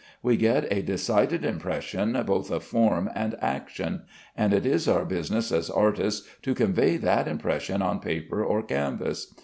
We get a decided impression both of form and action, and it is our business as artists to convey that impression on paper or canvas.